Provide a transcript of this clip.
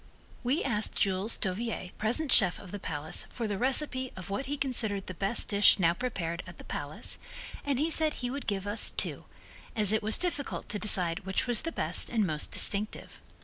We asked Jules Dauviller, the present chef of the Palace, for the recipe of what he considered the best dish now prepared at the Palace and he said he would give us two, as it was difficult to decide which was the best and most distinctive.